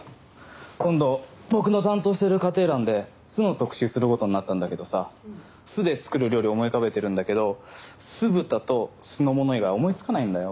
今度僕の担当している家庭欄で酢の特集する事になったんだけどさ酢で作る料理思い浮かべてるんだけど酢豚と酢の物以外思いつかないんだよ。